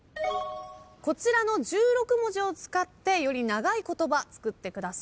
こちらの１６文字を使ってより長い言葉作ってください。